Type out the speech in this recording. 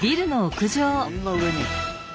あんな上に？